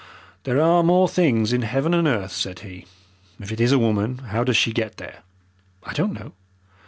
"There are more things in heaven and earth," said he. "If it is a woman, how does she get there?" "I don't know."